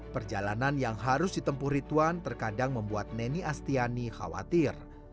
perjalanan yang harus ditempuh rituan terkadang membuat neni astiani khawatir